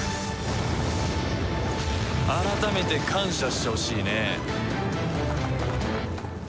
改めて感謝してほしいね。